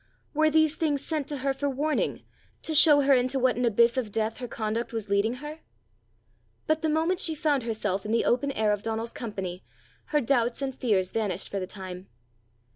Were these things sent for her warning, to show her into what an abyss of death her conduct was leading her? But the moment she found herself in the open air of Donal's company, her doubts and fears vanished for the time.